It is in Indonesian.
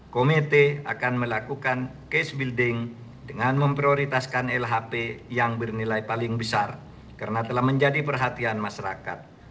komite akan melakukan case building dengan memprioritaskan lhp yang bernilai paling besar karena telah menjadi perhatian masyarakat